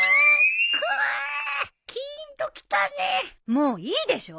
もういいでしょ！